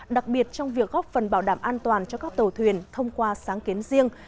đặc biệt trong việc góp phần bảo đảm an toàn cho các tàu thuyền thông qua sáng kiến riêng